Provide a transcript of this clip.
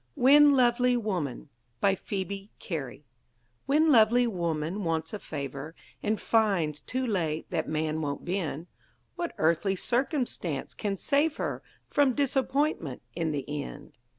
WHEN LOVELY WOMAN BY PHOEBE CARY When lovely woman wants a favor, And finds, too late, that man won't bend, What earthly circumstance can save her From disappointment in the end?